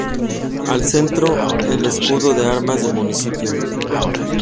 Al centro el escudo de armas del municipio.